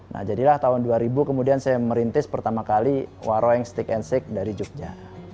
nah jadilah tahun dua ribu kemudian saya merintis pertama kali waroeng stick and stick dari jogja